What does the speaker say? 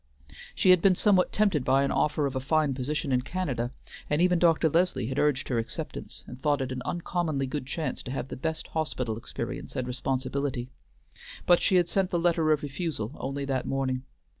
She had been somewhat tempted by an offer of a fine position in Canada, and even Dr. Leslie had urged her acceptance, and thought it an uncommonly good chance to have the best hospital experience and responsibility, but she had sent the letter of refusal only that morning.